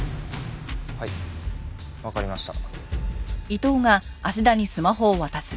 はいわかりました。